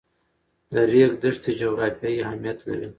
د ریګ دښتې جغرافیایي اهمیت لري.